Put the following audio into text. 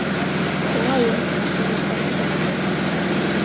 O aio recibe as cartas do correo.